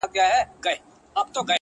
دې لېوني پنځه وارې څيښلي شراب’